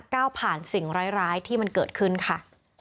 ก้าวผ่านสิ่งร้ายที่มันเกิดขึ้นค่ะ